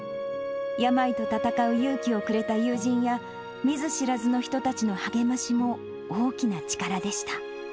病と闘う勇気をくれた友人や、見ず知らずの人たちの励ましも大きな力でした。